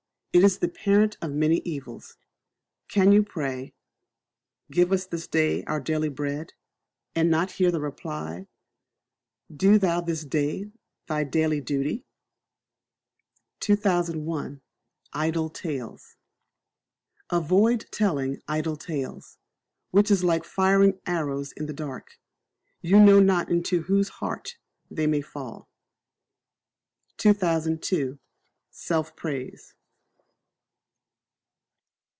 It is the parent of many evils. Can you pray, "Give us this day our daily bread," and not hear the reply, "Do thou this day thy daily duty"? 2001. Idle Tales. Avoid telling Idle Tales, which is like firing arrows in the dark: you know not into whose heart they may fall. 2002. Self Praise.